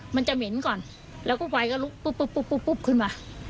มันจะเหม็นก่อนแล้วก็ไฟก็ลุกปุ๊บปุ๊บขึ้นมา